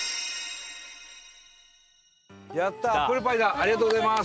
ありがとうございます。